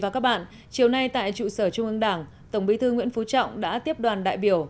và chiều nay tại trụ sở trung ương đảng tổng bí thư nguyễn phú trọng đã tiếp đoàn đại biểu